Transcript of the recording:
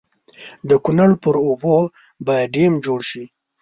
د کنړ پر اوبو به ډېم جوړ شي.